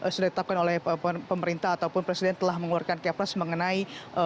sudah ditetapkan oleh pemerintah ataupun presiden telah mengeluarkan kepres mengenai